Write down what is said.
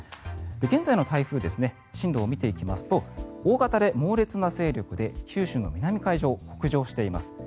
現在の台風進路を見ていきますと大型で猛烈な勢力で九州の南海上を北上しています。